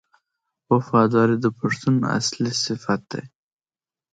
وفاداري د پښتون اصلي صفت دی.